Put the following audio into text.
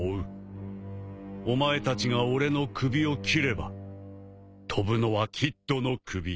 お前たちが俺の首を斬れば飛ぶのはキッドの首。